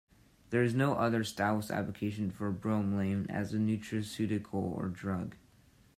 There is no other established application for bromelain as a nutraceutical or drug.